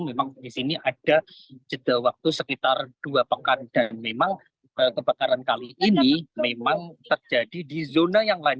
memang di sini ada jeda waktu sekitar dua pekan dan memang kebakaran kali ini memang terjadi di zona yang lain